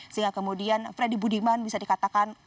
sehingga kemudian freddy budiman bisa dikatakan